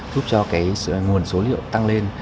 giúp cho nguồn số liệu tăng lên